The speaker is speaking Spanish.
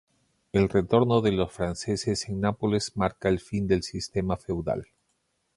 El retorno de los franceses en Nápoles marca el fin del sistema feudal.